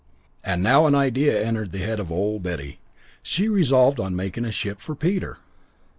And now an idea entered the head of Old Betty. She resolved on making a ship for Peter.